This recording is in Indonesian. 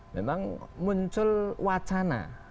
memang muncul wacana